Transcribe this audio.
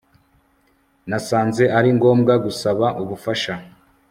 Nasanze ari ngombwa gusaba ubufasha